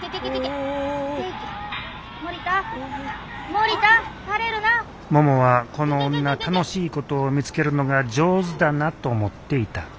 ももはこの女楽しいことを見つけるのが上手だなと思っていた。